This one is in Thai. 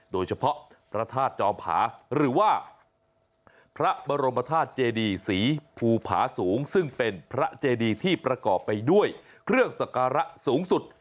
โดยเฉพาะพระธาตุจอมผาหรือว่าพระบรมธาตุเจดีศรีภูผาสูงซึ่งเป็นพระเจดีที่ประกอบไปด้วยเครื่องสการะสูงสุด